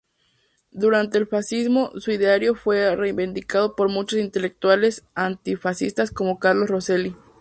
Durante el fascismo su ideario fue reivindicado por muchos intelectuales antifascistas como Carlo Rosselli.